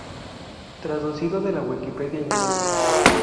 Traducido de de la Wikipedia inglesa